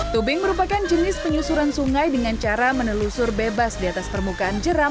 tubing merupakan jenis penyusuran sungai dengan cara menelusur bebas di atas permukaan jeram